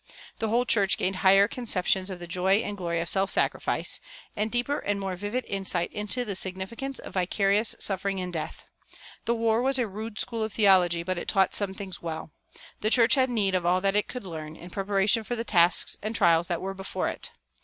The whole church gained higher conceptions of the joy and glory of self sacrifice, and deeper and more vivid insight into the significance of vicarious suffering and death. The war was a rude school of theology, but it taught some things well. The church had need of all that it could learn, in preparation for the tasks and trials that were before it.